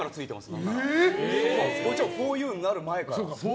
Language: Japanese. それこそふぉゆになる前から。